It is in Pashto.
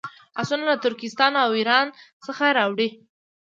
آسونه له ترکستان او ایران څخه راوړي.